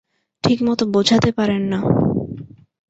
ঠিকমতো বোঝাতে পারেন না।